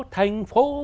thành phố là một vườn hoa